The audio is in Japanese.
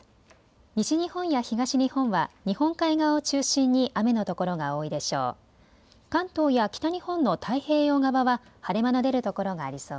西日本や東日本は日本海側を中心に雨のところが多いでしょう。